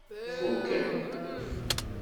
Fuken.